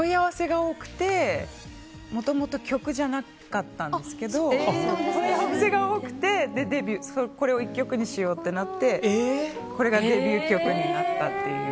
もともと曲じゃなかったんですが問い合わせが多くてこれを１曲にしようってなってこれがデビュー曲になりました。